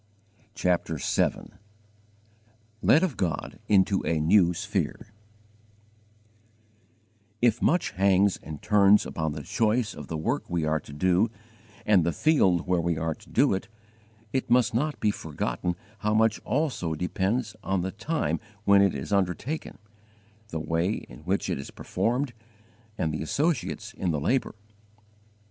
CHAPTER VII LED OF GOD INTO A NEW SPHERE IF much hangs and turns upon the choice of the work we are to do and the field where we are to do it, it must not be forgotten how much also depends on the time when it is undertaken, the way in which it is performed, and the associates in the labour.